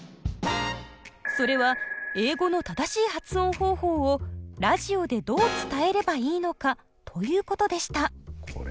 それは「英語の正しい発音方法をラジオでどう伝えればいいのか？」ということでした。